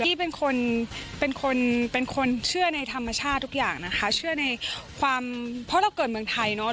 พี่เป็นคนเป็นคนเชื่อในธรรมชาติทุกอย่างนะคะเชื่อในความเพราะเราเกิดเมืองไทยเนอะ